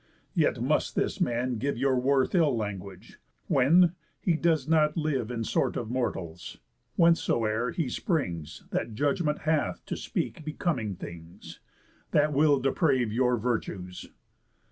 Yet must this man give Your worth ill language; when, he does not live In sort of mortals (whencesoe'er he springs, That judgment hath to speak becoming things) That will deprave your virtues.